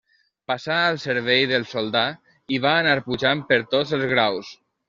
Passà al servei del soldà i va anar pujant per tots els graus.